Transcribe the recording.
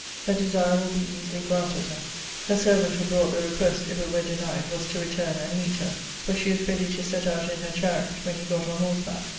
Her desire will be easily granted her. Her servant, who brought the request, if it were denied, was to return, and meet her; for she was ready to set out in her chariot, when he got on horseback.